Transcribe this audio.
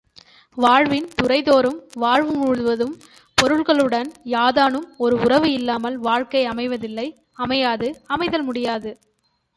வாழ்வின் துறைதோறும், வாழ்வு முழுவதும் பொருள்களுடன் யாதானும் ஒரு உறவு இல்லாமல் வாழ்க்கை அமைவதில்லை அமையாது அமைதல் முடியாது.